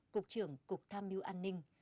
cục trưởng cục tham mưu an ninh